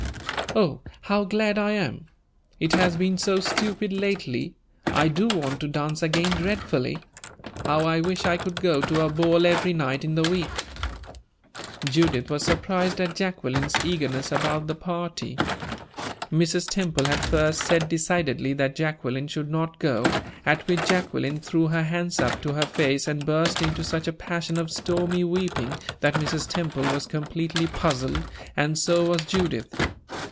"Oh, how glad I am! It has been so stupid lately. I do want to dance again dreadfully. How I wish I could go to a ball every night in the week!" Judith was surprised at Jacqueline's eagerness about the party. Mrs. Temple had first said decidedly that Jacqueline should not go, at which Jacqueline threw her hands up to her face and burst into such a passion of stormy weeping that Mrs. Temple was completely puzzled, and so was Judith.